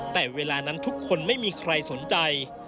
แต่เวลานั้นทุกคนไม่มีใครสนใจ